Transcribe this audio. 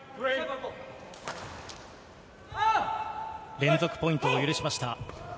連続ポイントを許しました。